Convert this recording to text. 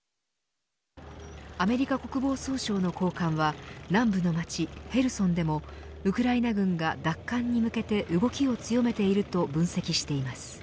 アメリカ国防総省の高官は南部の街ヘルソンでもウクライナ軍が奪還に向けて動きを強めていると分析しています。